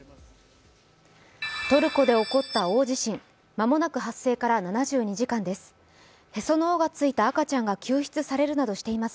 トルコで起こった大地震、間もなく発生から７２時間です。